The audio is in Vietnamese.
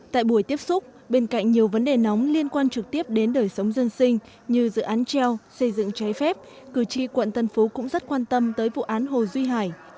tại buổi tiếp xúc bên cạnh nhiều vấn đề nóng liên quan trực tiếp đến đời sống dân sinh như dự án treo xây dựng trái phép cử tri quận tân phú cũng rất quan tâm tới vụ án hồ duy hải